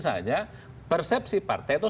saja persepsi partai itu